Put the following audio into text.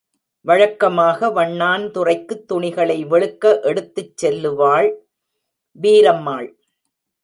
வழக்கமாக வண்ணான் துறைக்குத் துணிகளை வெளுக்க எடுத்துச் செல்லுவாள் வீரம்மாள்.